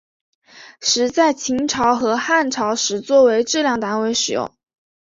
石在秦朝和汉朝时作为质量单位使用。